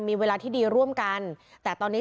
มีเวลาที่ดีร่วมกันแต่ตอนนี้